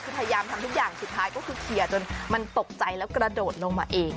คือพยายามทำทุกอย่างสุดท้ายก็คือเคลียร์จนมันตกใจแล้วกระโดดลงมาเอง